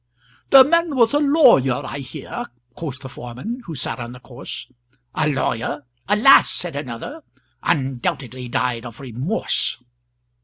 "The man was a lawyer, I hear," Quoth the foreman who sat on the corse. "A lawyer? Alas!" said another, "Undoubtedly died of remorse!"